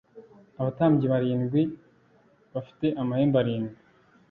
abatambyi barindwi bafite amahembe arindwi .